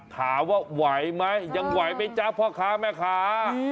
ถามว่าไหวไหมยังไหวไหมจ๊ะพ่อค้าแม่ค้า